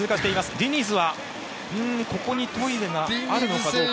ディニズはここにトイレがあるのかどうか。